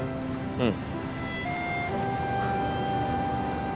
うん。